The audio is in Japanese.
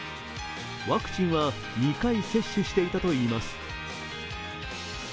ワクチンは２回接種していたといいます。